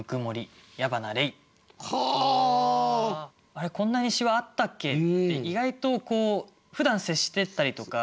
「あれこんなにしわあったっけ？」って意外とふだん接してたりとか